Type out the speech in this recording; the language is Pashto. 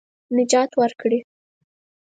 نجات ورکړي.